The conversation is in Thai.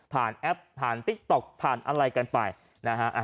แอปผ่านติ๊กต๊อกผ่านอะไรกันไปนะฮะ